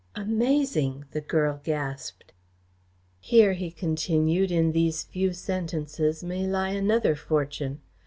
"Amazing!" the girl gasped. "Here," he continued, "in these few sentences may lie another fortune.